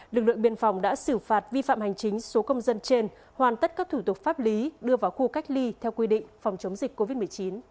lực lượng biên phòng đã xử phạt vi phạm hành chính số công dân trên hoàn tất các thủ tục pháp lý đưa vào khu cách ly theo quy định phòng chống dịch covid một mươi chín